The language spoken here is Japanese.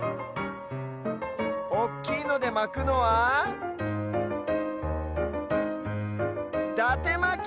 おっきいのでまくのはだてまき！